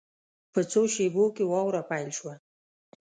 په څو شېبو کې واوره پیل شوه.